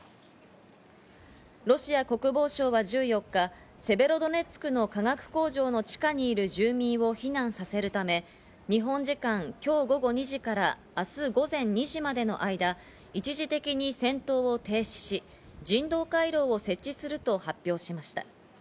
ロシア国防省は１４日、セベロドネツクの化学工場の地下にいる住民を避難させるため、日本時間、今日午後２時から明日午前２時までの間、一時的に戦闘を停止し、人道回廊を設置すると発表しました。